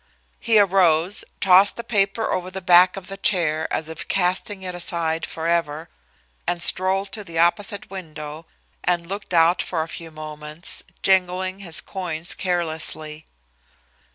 He arose, tossed the paper over the back of the chair as if casting it aside forever, and strolled to the opposite window and looked out for a few moments, jingling his coins carelessly.